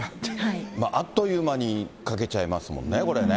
まあ、あっという間に書けちゃいますもんね、これね。